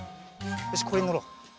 よしこれにのろう。